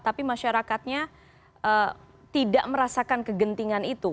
tapi masyarakatnya tidak merasakan kegentingan itu